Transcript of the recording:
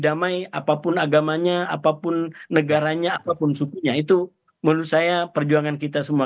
damai apapun agamanya apapun negaranya apapun sukunya itu menurut saya perjuangan kita semua